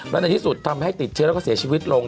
แล้วในที่สุดทำให้ติดเชื้อแล้วก็เสียชีวิตลง